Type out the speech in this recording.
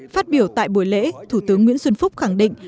phát biểu tại buổi lễ thủ tướng nguyễn xuân phúc khẳng định